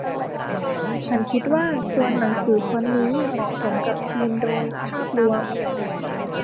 ฉันคิดว่าตัวหนังสือฟอนต์นี้เหมาะสมกับธีมโดยภาพรวม